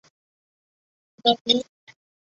成年后只能通过牙齿正畸和截骨整形进行治疗。